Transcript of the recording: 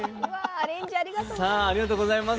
アレンジありがとうございます。